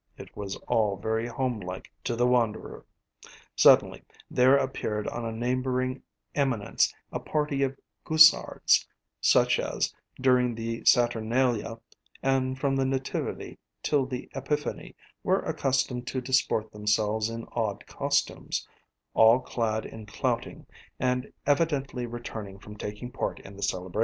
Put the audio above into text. It was all very home like to the wanderer. Suddenly there appeared on a neighboring eminence a party of guisards, such as, during the Saturnalia, and from the Nativity till the Epiphany were accustomed to disport themselves in odd costumes; all clad in clouting, and evidently returning from taking part in the celebration.